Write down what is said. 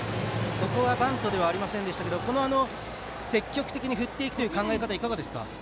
ここはバントではありませんでしたが積極的に振っていく考え方はいかがですか。